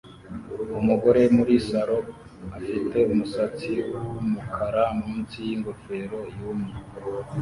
Umugore muri salon afite umusatsi wumukara munsi yingofero yumye